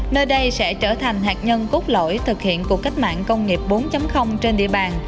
nơi đây sẽ trở thành hạt nhân cốt lỗi thực hiện cuộc cách mạng công nghiệp bốn trên địa bàn